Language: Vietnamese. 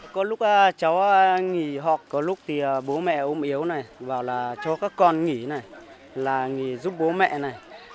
có lúc cháu nghỉ học có lúc bố mẹ ôm yếu cho các con nghỉ giúp bố mẹ